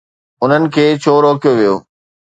انهن کي ڇو رکيو ويو؟